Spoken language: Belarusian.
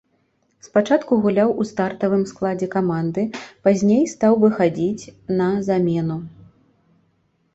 Спачатку гуляў у стартавым складзе каманды, пазней стаў выхадзіць на замену.